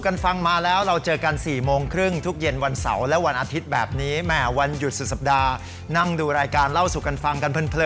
อย่าลืมเล่าสู่กันฟัง